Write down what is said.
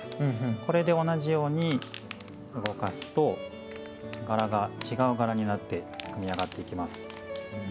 これで同じように動かすと柄が違う柄になって組み上がっていきます。